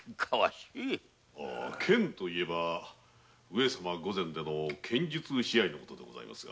剣といえば上様御前での剣術試合のことなのですが。